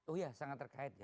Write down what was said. oh iya sangat terkait ya